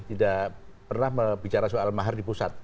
tidak pernah bicara soal mahar di pusat